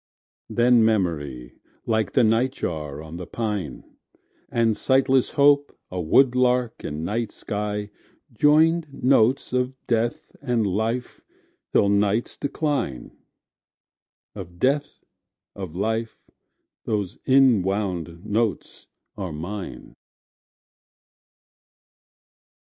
Then memory, like the nightjar on the pine, And sightless hope, a woodlark in night sky, Joined notes of Death and Life till night's decline Of Death, of Life, those inwound notes are mine.